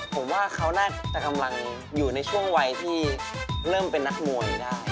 ผมว่าเขาน่าจะกำลังอยู่ในช่วงวัยที่เริ่มเป็นนักมวยได้